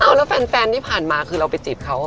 แล้วแฟนที่ผ่านมาคือเราไปจีบเขา